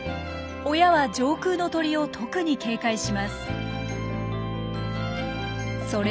親は上空の鳥を特に警戒します。